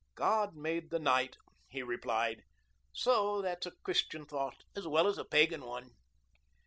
"God made the night," he replied. "So that's a Christian thought as well as a pagan one."